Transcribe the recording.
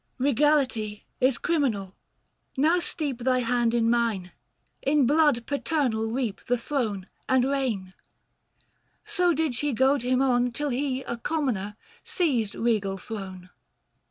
Regality is criminal ; now steep 720 Thy hand and mine ; in blood paternal reap The throne and reign." So did she goad him on Till he, a Commoner, seized regal throne.